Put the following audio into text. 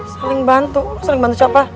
saling bantu lo saling bantu siapa